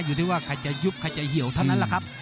อยู่ที่ว่าใครจะยุบใครจะเหี่ยวเท่านั้นแหละครับ